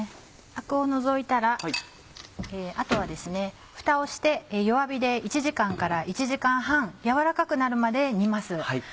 アクを除いたらあとはふたをして弱火で１時間から１時間半軟らかくなるまで煮ます。